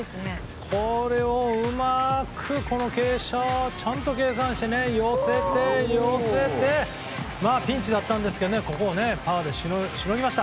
これをうまく傾斜をちゃんと計算して寄せて、寄せてピンチになったんですがここをパーでしのぎました。